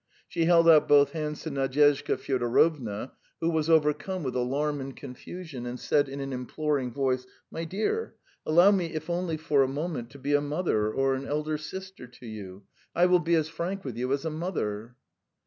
She held out both hands to Nadyezhda Fyodorovna, who was overcome with alarm and confusion, and said in an imploring voice: "My dear, allow me if only for a moment to be a mother or an elder sister to you! I will be as frank with you as a mother."